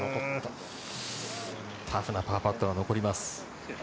タフなパーパットが残ります。